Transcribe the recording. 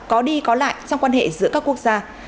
có đi có lại trong quan hệ giữa các quốc gia